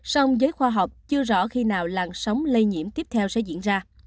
song giới khoa học chưa rõ khi nào làn sóng lây nhiễm tiếp theo sẽ diễn ra